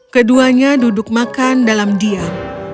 keduanya duduk makan dalam diam